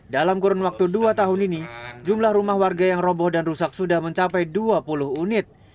dalam kurun waktu dua tahun ini jumlah rumah warga yang roboh dan rusak sudah mencapai dua puluh unit